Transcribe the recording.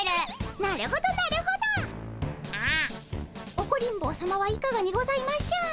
オコリン坊さまはいかがにございましょう？